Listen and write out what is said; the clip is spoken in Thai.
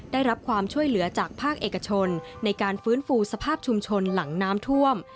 ได้รับความช่วยเหลือจากภาคเอกชนในการฟื้นฟูสภาพชุมชนหลังน้ำท่วม